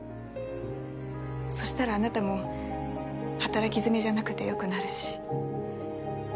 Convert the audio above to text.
そしたらあなたも働き詰めじゃなくて良くなるし。